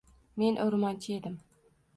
Men o’rmonchi edim